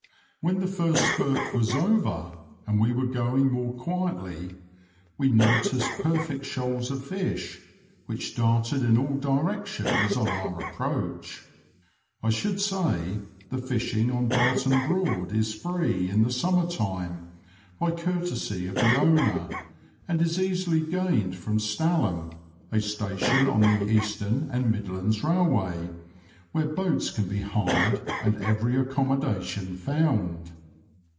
When the first spurt was over, and we were goiug more quietly, we noticed perfect shoals of fish, which darted in all directions on our approach. I should say the fishiug on Barton Broad is free in the summer time, by courtesy of the owner, and is easily gained from Stalham (a station on the Eastern and Midlands Bailway), where boats can be hired and every accommodation found.